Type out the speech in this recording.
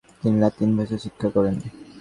তিনি লাতিন ভাষা শিক্ষা করেন।